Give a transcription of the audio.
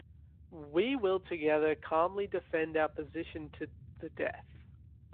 We will together calmly defend our position to the death.